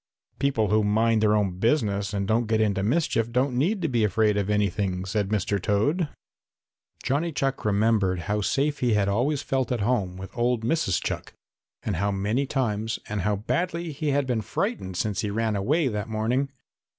"People who mind their own business and don't get into mischief don't need to be afraid of anything," said Mr. Toad. Johnny Chuck remembered how safe he had always felt at home with old Mrs. Chuck and how many times and how badly he had been frightened since he ran away that morning.